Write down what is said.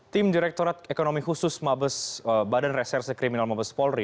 tim direktorat ekonomi khusus badan reserse kriminal mabes polri